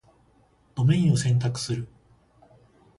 ドメインを選択する